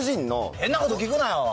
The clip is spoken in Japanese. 変なこと聞くなよ。